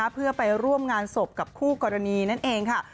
เพื่อไปร่วมงานศพกับคู่กรณีนั่นเองค่ะ